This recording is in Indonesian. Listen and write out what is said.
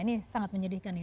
ini sangat menyedihkan